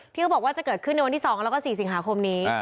เขาบอกว่าจะเกิดขึ้นในวันที่๒แล้วก็๔สิงหาคมนี้